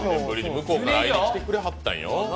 向こうから会いに来てくれはったんよ。